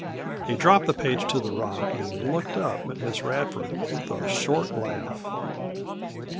He dropped the page to the rock and looked up at Miss Radford with a short laugh.